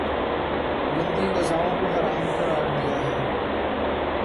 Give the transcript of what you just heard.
گندی غذاؤں کو حرام قراردیا ہے